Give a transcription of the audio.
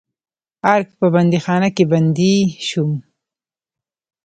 ارګ په بندیخانه کې بندي شوم.